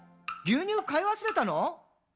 牛乳買い忘れたの？」